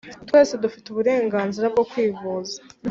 Twese dufite uburenganzira bwo kwivuza.